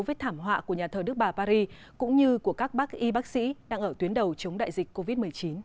với thảm họa của nhà thờ đức bà paris cũng như của các bác y bác sĩ đang ở tuyến đầu chống đại dịch covid một mươi chín